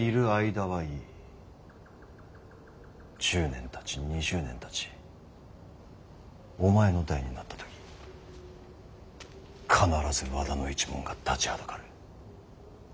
１０年たち２０年たちお前の代になった時必ず和田の一門が立ちはだかる。